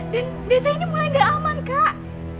dan desa ini mulai gak aman kak